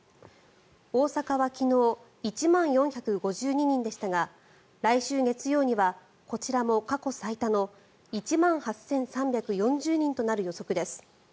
大阪は昨日、１万４５２人でしたが来週月曜にはこちらも過去最多の１万８３４０人となる予測です。